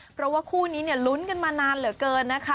เพราะว่าคู่นี้เนี่ยลุ้นกันมานานเหลือเกินนะคะ